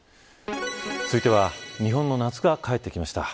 続いては日本の夏が帰ってきました。